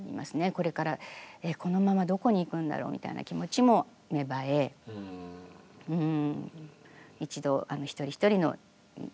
これからこのままどこに行くんだろう？みたいな気持ちも芽生えはあ。